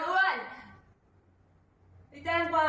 ก็มาดักรอพอแล้วนะขอบคุณครับพี่อ้วน